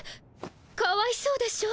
かわいそうでしょう？